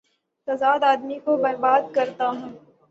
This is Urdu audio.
تضاد آ دمی کو بر باد کر تا ہے۔